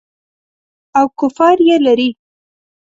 او کفار یې لري.